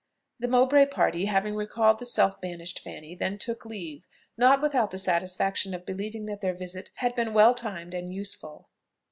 The Mowbray party, having recalled the self banished Fanny, then took leave, not without the satisfaction of believing that their visit had been well timed and useful.